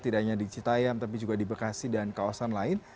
tidak hanya di citayam tapi juga di bekasi dan kawasan lain